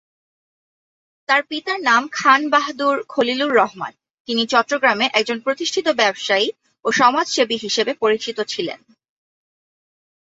তার পিতার নাম খান বাহাদুর খলিলুর রহমান; তিনি চট্টগ্রামে একজন প্রতিষ্ঠিত ব্যবসায়ী ও সমাজসেবী হিসাবে পরিচিত ছিলেন।